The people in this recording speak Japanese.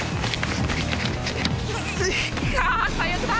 最悪だ。